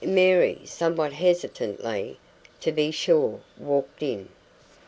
Mary somewhat hesitatingly, to be sure walked in.